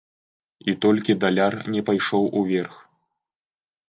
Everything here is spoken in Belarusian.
І толькі даляр не пайшоў уверх.